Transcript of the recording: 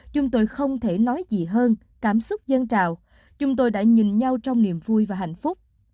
chúng tôi không thể nói gì hơn cảm xúc dân trào chúng tôi đã nhìn nhau trong niềm vui và hạnh phúc